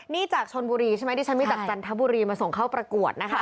นี่จากชนบุรีใช่ไหมที่ฉันมีจากจันทบุรีมาส่งเข้าประกวดนะคะ